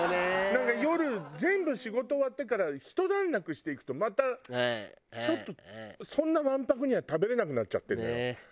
なんか夜全部仕事終わってからひと段落して行くとまたちょっとそんなわんぱくには食べれなくなっちゃってるのよ。